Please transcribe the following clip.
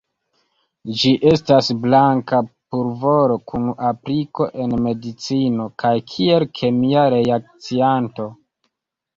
Ĝi estas blanka pulvoro kun apliko en medicino kaj kiel kemia reakcianto.